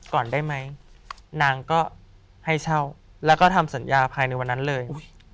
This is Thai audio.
ก่อนได้ไหมนางก็ให้เช่าแล้วก็ทำสัญญาภายในวันนั้นเลย